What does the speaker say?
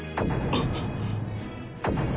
あっ。